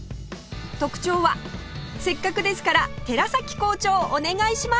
特徴はせっかくですから寺崎校長お願いします！